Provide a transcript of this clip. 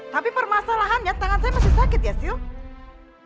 tapi permasalahannya tangan saya masih sakit ya sil